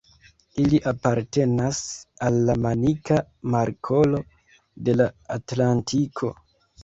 Ili apartenas al la Manika Markolo de la Atlantiko.